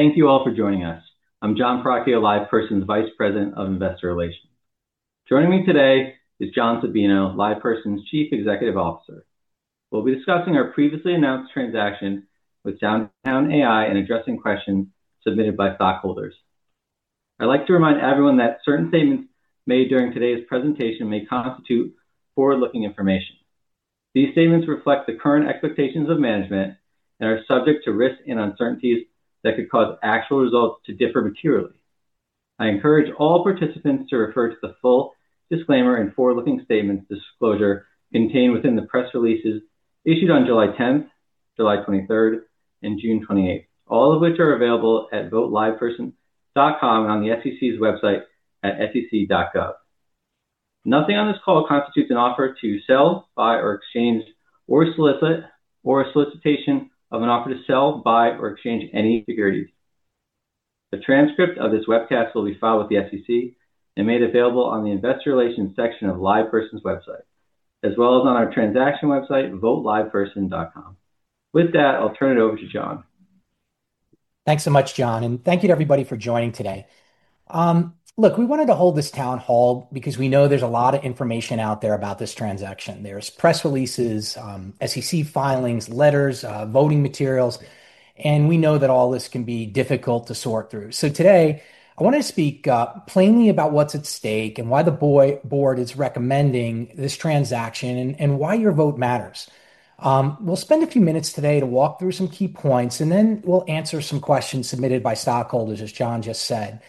Hello, thank you all for joining us. I'm Jon Perachio, LivePerson's Vice President of Investor Relations. Joining me today is John Sabino, LivePerson's Chief Executive Officer. We'll be discussing our previously announced transaction with SoundHound AI and addressing questions submitted by stockholders. I'd like to remind everyone that certain statements made during today's presentation may constitute forward-looking information. These statements reflect the current expectations of management and are subject to risks and uncertainties that could cause actual results to differ materially. I encourage all participants to refer to the full disclaimer and forward-looking statements disclosure contained within the press releases issued on July 10th, July 23rd, and June 28th, all of which are available at voteliveperson.com and on the SEC's website at sec.gov. Nothing on this call constitutes an offer to sell, buy or exchange, or a solicitation of an offer to sell, buy, or exchange any securities. A transcript of this webcast will be filed with the SEC and made available on the Investor Relations section of LivePerson's website, as well as on our transaction website, voteliveperson.com. With that, I'll turn it over to John. Thanks so much, Jon, thank you to everybody for joining today. Look, we wanted to hold this town hall because we know there's a lot of information out there about this transaction. There's press releases, SEC filings, letters, voting materials, we know that all this can be difficult to sort through. Today, I wanted to speak plainly about what's at stake and why the board is recommending this transaction and why your vote matters. We'll spend a few minutes today to walk through some key points, then we'll answer some questions submitted by stockholders, as Jon just said.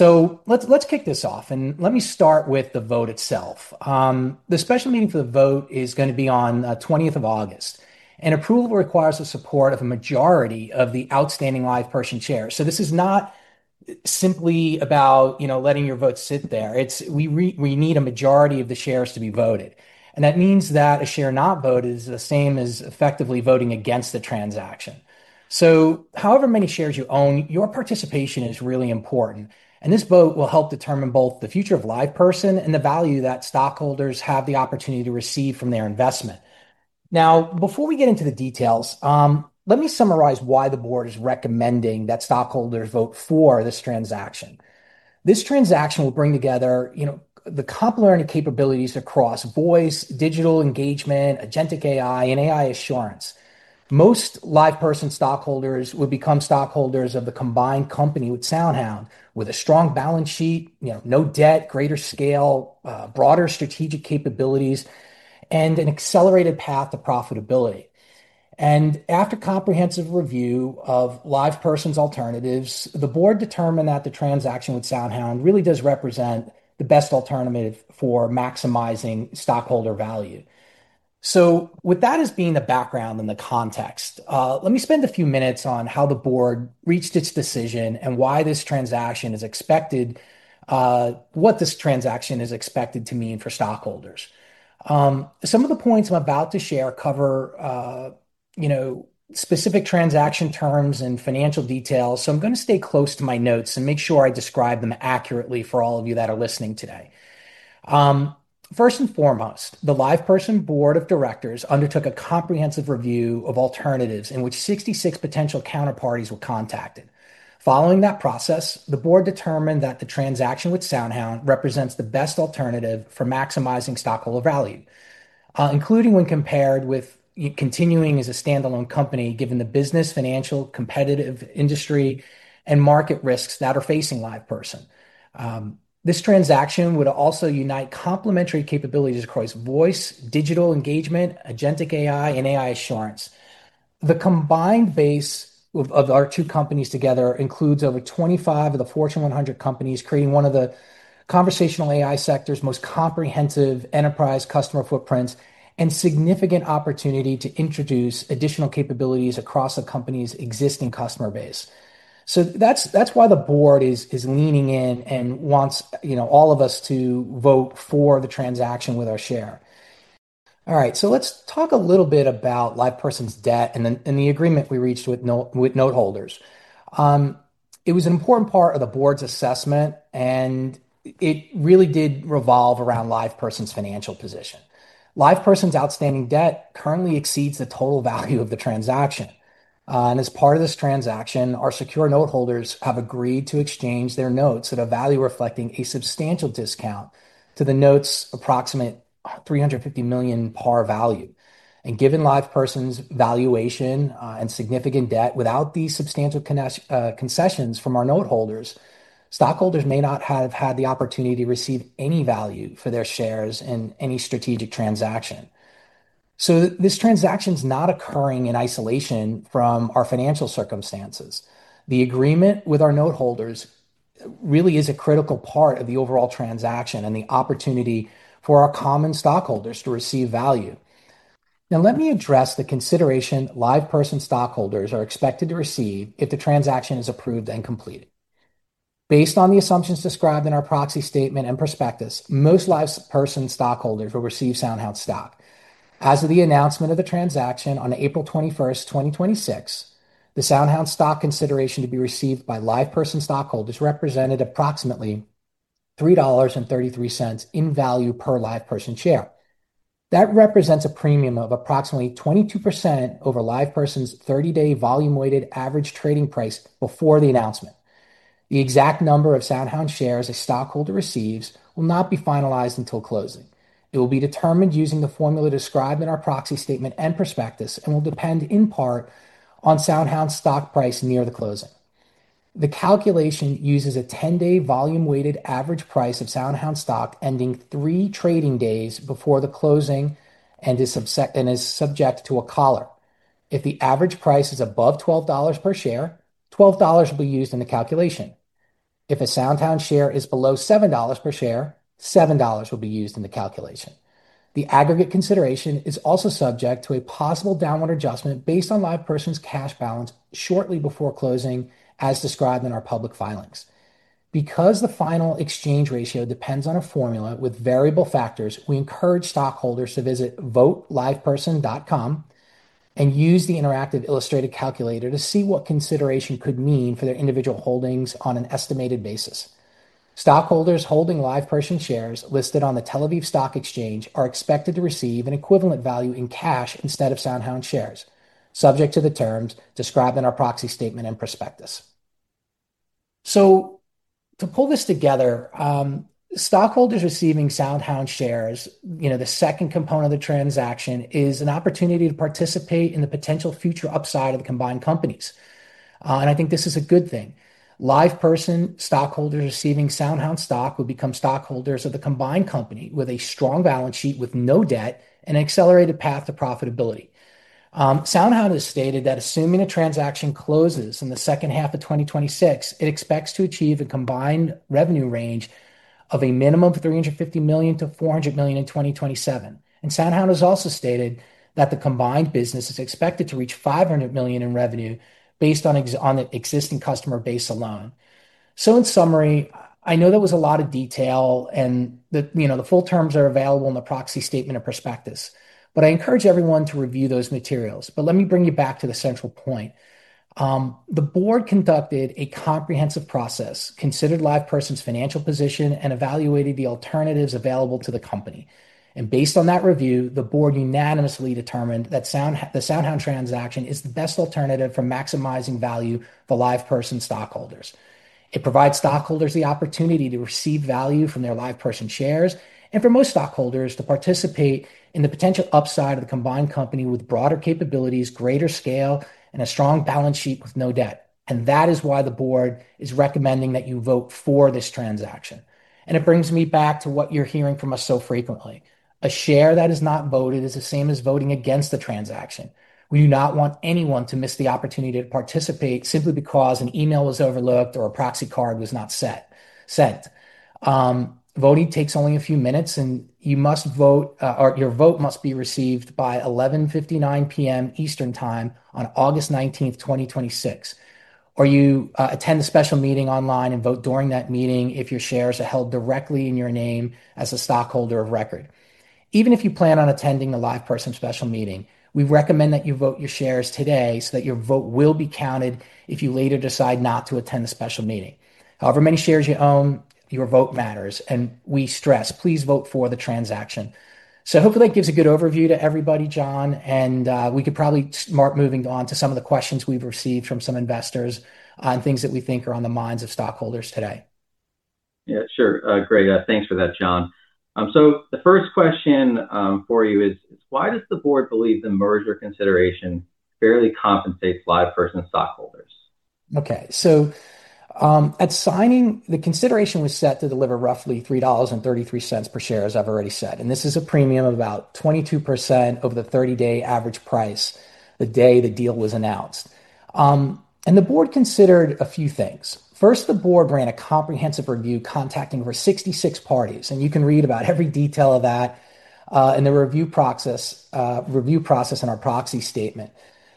Let's kick this off, and let me start with the vote itself. The special meeting for the vote is going to be on the 20th of August, approval requires the support of a majority of the outstanding LivePerson shares. This is not simply about letting your vote sit there. We need a majority of the shares to be voted, that means that a share not voted is the same as effectively voting against the transaction. However many shares you own, your participation is really important, and this vote will help determine both the future of LivePerson and the value that stockholders have the opportunity to receive from their investment. Now, before we get into the details, let me summarize why the board is recommending that stockholders vote for this transaction. This transaction will bring together the complementary capabilities across voice, digital engagement, agentic AI, and AI assurance. Most LivePerson stockholders will become stockholders of the combined company with SoundHound, with a strong balance sheet, no debt, greater scale, broader strategic capabilities, and an accelerated path to profitability. After comprehensive review of LivePerson's alternatives, the board determined that the transaction with SoundHound really does represent the best alternative for maximizing stockholder value. With that as being the background and the context, let me spend a few minutes on how the board reached its decision and what this transaction is expected to mean for stockholders. Some of the points I'm about to share cover specific transaction terms and financial details, I'm going to stay close to my notes and make sure I describe them accurately for all of you that are listening today. First and foremost, the LivePerson board of directors undertook a comprehensive review of alternatives in which 66 potential counterparties were contacted. Following that process, the board determined that the transaction with SoundHound represents the best alternative for maximizing stockholder value, including when compared with continuing as a standalone company, given the business, financial, competitive industry, and market risks that are facing LivePerson. This transaction would also unite complementary capabilities across voice, digital engagement, agentic AI, and AI assurance. The combined base of our two companies together includes over 25 of the Fortune 100 companies, creating one of the conversational AI sector's most comprehensive enterprise customer footprints and significant opportunity to introduce additional capabilities across a company's existing customer base. That's why the board is leaning in and wants all of us to vote for the transaction with our share. All right. Let's talk a little bit about LivePerson's debt and the agreement we reached with note holders. It was an important part of the board's assessment, and it really did revolve around LivePerson's financial position. LivePerson's outstanding debt currently exceeds the total value of the transaction. As part of this transaction, our secure note holders have agreed to exchange their notes at a value reflecting a substantial discount to the notes' approximate $350 million par value. Given LivePerson's valuation and significant debt, without these substantial concessions from our note holders, stockholders may not have had the opportunity to receive any value for their shares in any strategic transaction. This transaction's not occurring in isolation from our financial circumstances. The agreement with our note holders really is a critical part of the overall transaction and the opportunity for our common stockholders to receive value. Now, let me address the consideration LivePerson stockholders are expected to receive if the transaction is approved and completed. Based on the assumptions described in our proxy statement and prospectus, most LivePerson stockholders will receive SoundHound stock. As of the announcement of the transaction on April 21st, 2026, the SoundHound stock consideration to be received by LivePerson stockholders represented approximately $3.33 in value per LivePerson share. That represents a premium of approximately 22% over LivePerson's 30-day volume-weighted average trading price before the announcement. The exact number of SoundHound shares a stockholder receives will not be finalized until closing. It will be determined using the formula described in our proxy statement and prospectus, and will depend in part on SoundHound's stock price near the closing. The calculation uses a 10-day volume-weighted average price of SoundHound stock ending three trading days before the closing, and is subject to a collar. If the average price is above $12 per share, $12 will be used in the calculation. If a SoundHound share is below $7 per share, $7 will be used in the calculation. The aggregate consideration is also subject to a possible downward adjustment based on LivePerson's cash balance shortly before closing, as described in our public filings. Because the final exchange ratio depends on a formula with variable factors, we encourage stockholders to visit voteliveperson.com and use the interactive illustrated calculator to see what consideration could mean for their individual holdings on an estimated basis. Stockholders holding LivePerson shares listed on the Tel Aviv Stock Exchange are expected to receive an equivalent value in cash instead of SoundHound shares, subject to the terms described in our proxy statement and prospectus. To pull this together, stockholders receiving SoundHound shares, the second component of the transaction, is an opportunity to participate in the potential future upside of the combined companies. I think this is a good thing. LivePerson stockholders receiving SoundHound stock will become stockholders of the combined company with a strong balance sheet with no debt and an accelerated path to profitability. SoundHound has stated that assuming the transaction closes in the second half of 2026, it expects to achieve a combined revenue range of a minimum of $350 million-$400 million in 2027. SoundHound has also stated that the combined business is expected to reach $500 million in revenue based on existing customer base alone. In summary, I know there was a lot of detail, and the full terms are available in the proxy statement and prospectus, but I encourage everyone to review those materials. Let me bring you back to the central point. The board conducted a comprehensive process, considered LivePerson's financial position, and evaluated the alternatives available to the company. Based on that review, the board unanimously determined that the SoundHound transaction is the best alternative for maximizing value for LivePerson stockholders. It provides stockholders the opportunity to receive value from their LivePerson shares and for most stockholders to participate in the potential upside of the combined company with broader capabilities, greater scale, and a strong balance sheet with no debt. That is why the board is recommending that you vote for this transaction. It brings me back to what you're hearing from us so frequently. A share that is not voted is the same as voting against the transaction. We do not want anyone to miss the opportunity to participate simply because an email was overlooked or a proxy card was not sent. Voting takes only a few minutes, and your vote must be received by 11:59 P.M. Eastern Time on August 19th, 2026. You attend a special meeting online and vote during that meeting if your shares are held directly in your name as a stockholder of record. Even if you plan on attending the LivePerson special meeting, we recommend that you vote your shares today so that your vote will be counted if you later decide not to attend the special meeting. However many shares you own, your vote matters, and we stress please vote for the transaction. Hopefully that gives a good overview to everybody, Jon, and we could probably start moving on to some of the questions we've received from some investors on things that we think are on the minds of stockholders today. Yeah, sure. Great. Thanks for that, John. The first question for you is why does the board believe the merger consideration fairly compensates LivePerson stockholders? Okay. At signing, the consideration was set to deliver roughly $3.33 per share, as I've already said. This is a premium of about 22% over the 30-day average price the day the deal was announced. The board considered a few things. First, the board ran a comprehensive review contacting over 66 parties, and you can read about every detail of that in the review process in our proxy statement.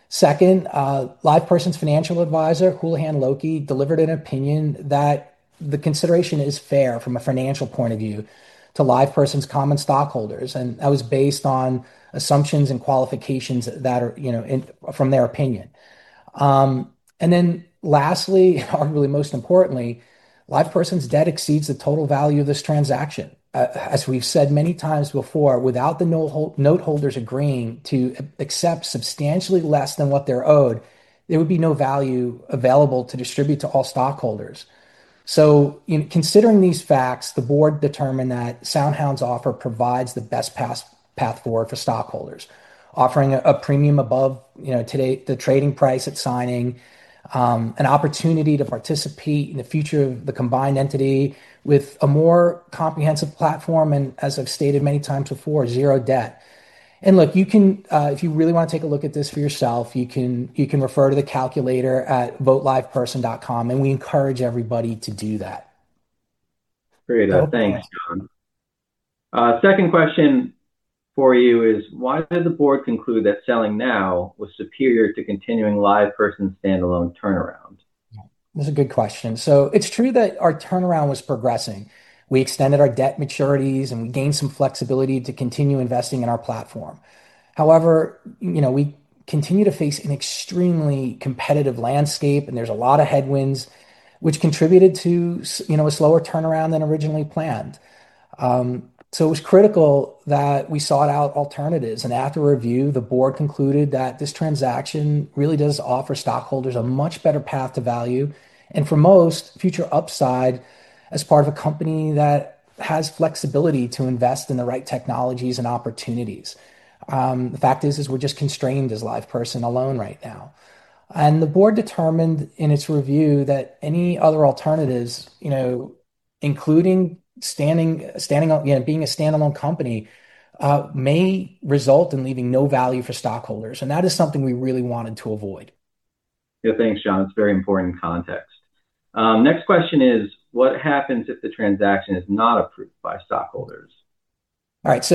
Second, LivePerson's financial advisor, Houlihan Lokey, delivered an opinion that the consideration is fair from a financial point of view to LivePerson's common stockholders, and that was based on assumptions and qualifications from their opinion. Lastly, arguably most importantly, LivePerson's debt exceeds the total value of this transaction. As we've said many times before, without the note holders agreeing to accept substantially less than what they're owed, there would be no value available to distribute to all stockholders. In considering these facts, the board determined that SoundHound's offer provides the best path forward for stockholders. Offering a premium above the trading price at signing, an opportunity to participate in the future of the combined entity with a more comprehensive platform and, as I've stated many times before, zero debt. Look, if you really want to take a look at this for yourself, you can refer to the calculator at voteliveperson.com, and we encourage everybody to do that. Great. Thanks, John. Second question for you is why has the board concluded that selling now was superior to continuing LivePerson's standalone turnaround? That's a good question. It's true that our turnaround was progressing. We extended our debt maturities, and we gained some flexibility to continue investing in our platform. However, we continue to face an extremely competitive landscape, and there's a lot of headwinds which contributed to a slower turnaround than originally planned. It was critical that we sought out alternatives. After review, the board concluded that this transaction really does offer stockholders a much better path to value. For most, future upside as part of a company that has flexibility to invest in the right technologies and opportunities. The fact is we're just constrained as LivePerson alone right now. The board determined in its review that any other alternatives, including being a standalone company, may result in leaving no value for stockholders. That is something we really wanted to avoid. Yeah. Thanks, John. It's very important context. Next question is: What happens if the transaction is not approved by stockholders? All right.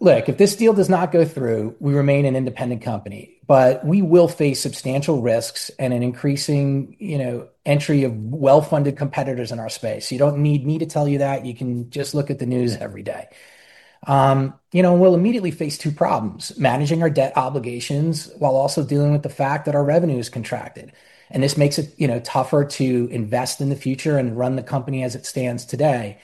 Look, if this deal does not go through, we remain an independent company. We will face substantial risks and an increasing entry of well-funded competitors in our space. You don't need me to tell that. You can just look at the news every day. We'll immediately face two problems, managing our debt obligations while also dealing with the fact that our revenue is contracted. This makes it tougher to invest in the future and run the company as it stands today.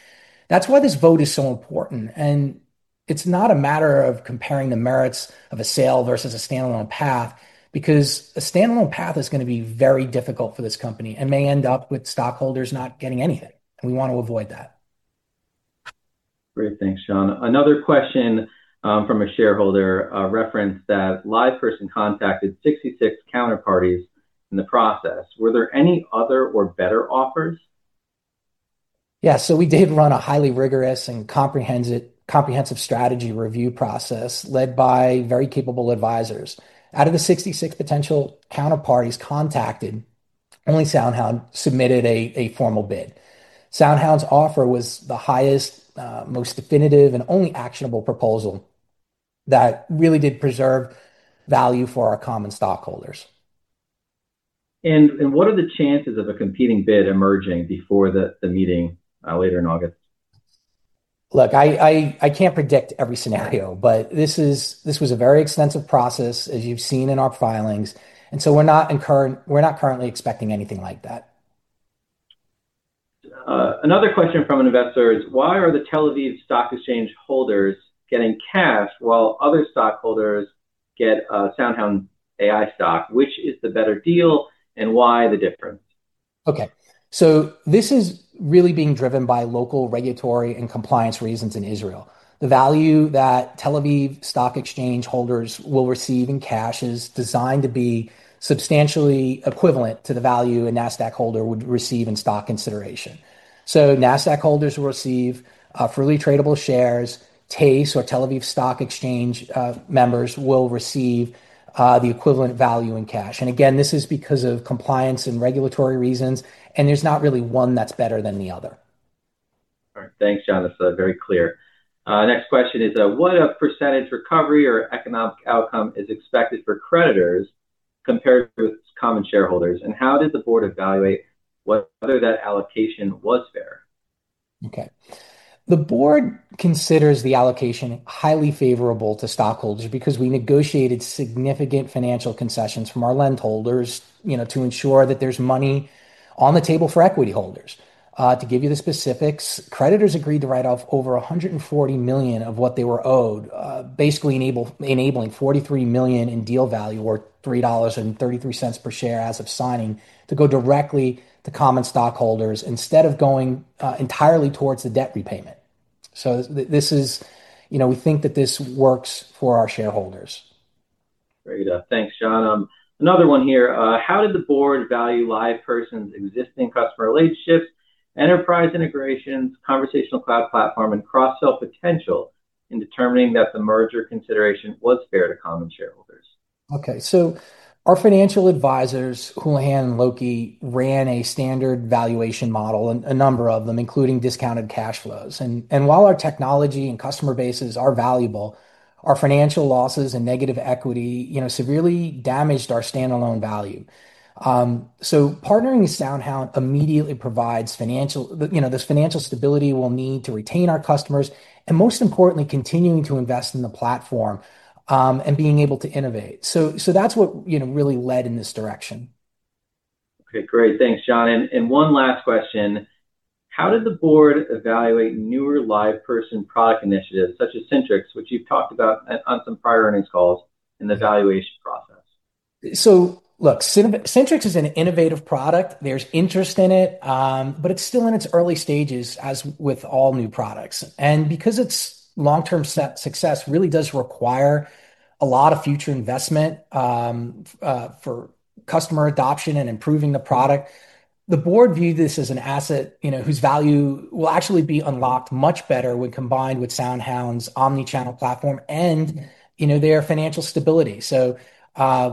That's why this vote is so important, and it's not a matter of comparing the merits of a sale versus a standalone path, because a standalone path is going to be very difficult for this company and may end up with stockholders not getting anything, and we want to avoid that. Great. Thanks, John. Another question from a shareholder referenced that LivePerson contacted 66 counterparties in the process. Were there any other or better offers? We did run a highly rigorous and comprehensive strategy review process led by very capable advisors. Out of the 66 potential counterparties contacted, only SoundHound submitted a formal bid. SoundHound's offer was the highest, most definitive, and only actionable proposal that really did preserve value for our common stockholders. What are the chances of a competing bid emerging before the meeting later in August? Look, I can't predict every scenario. This was a very extensive process, as you've seen in our filings. We're not currently expecting anything like that. Another question from an investor is why are the Tel Aviv Stock Exchange holders getting cash while other stockholders get SoundHound AI stock? Which is the better deal, and why the difference? This is really being driven by local regulatory and compliance reasons in Israel. The value that Tel Aviv Stock Exchange holders will receive in cash is designed to be substantially equivalent to the value a Nasdaq holder would receive in stock consideration. Nasdaq holders will receive freely tradable shares. TASE or Tel Aviv Stock Exchange members will receive the equivalent value in cash. Again, this is because of compliance and regulatory reasons, and there's not really one that's better than the other. Thanks, John. That's very clear. Next question is: What percentage recovery or economic outcome is expected for creditors compared to its common shareholders? How did the board evaluate whether that allocation was fair? The board considers the allocation highly favorable to stockholders because we negotiated significant financial concessions from our lend holders to ensure that there's money on the table for equity holders. To give you the specifics, creditors agreed to write off over $140 million of what they were owed basically enabling $43 million in deal value, or $3.33 per share as of signing to go directly to common stockholders instead of going entirely towards the debt repayment. We think that this works for our shareholders. Thanks, John. Another one here. How did the board value LivePerson's existing customer relationships, enterprise integrations, Conversational Cloud platform, and cross-sell potential in determining that the merger consideration was fair to common shareholders? Okay. Our financial advisors, Houlihan Lokey, ran a standard valuation model, a number of them including discounted cash flows. While our technology and customer bases are valuable, our financial losses and negative equity severely damaged our standalone value. Partnering with SoundHound immediately provides this financial stability we'll need to retain our customers and, most importantly, continuing to invest in the platform and being able to innovate. That's what really led in this direction. Okay, great. Thanks, John. One last question: How did the board evaluate newer LivePerson product initiatives, such as Syntrix, which you've talked about on some prior earnings calls in the valuation process? Look, Syntrix is an innovative product. There's interest in it. It's still in its early stages, as with all new products. Because its long-term success really does require a lot of future investment for customer adoption and improving the product, the board viewed this as an asset whose value will actually be unlocked much better when combined with SoundHound's omnichannel platform and their financial stability. We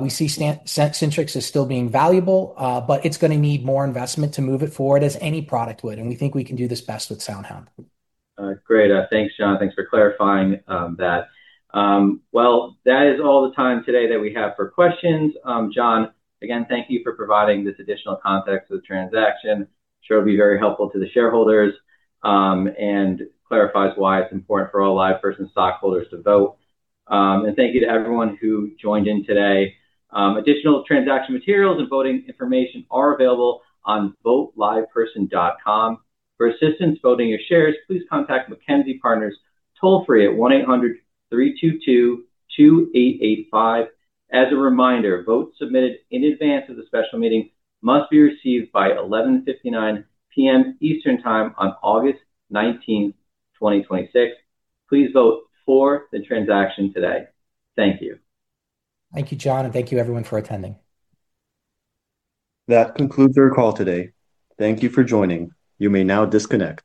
see Syntrix as still being valuable, but it's going to need more investment to move it forward, as any product would, and we think we can do this best with SoundHound. Great. Thanks, John. Thanks for clarifying that. That is all the time today that we have for questions. John, again, thank you for providing this additional context to the transaction. I'm sure it'll be very helpful to the shareholders, and clarifies why it's important for all LivePerson stockholders to vote. Thank you to everyone who joined in today. Additional transaction materials and voting information are available on voteliveperson.com. For assistance voting your shares, please contact MacKenzie Partners toll free at 1-800-322-2885. As a reminder, votes submitted in advance of the special meeting must be received by 11:59 P.M. Eastern Time on August 19th, 2026. Please vote for the transaction today. Thank you. Thank you, Jon, and thank you everyone for attending. That concludes our call today. Thank you for joining. You may now disconnect.